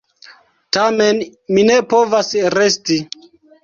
Tamen mi ne povas resti.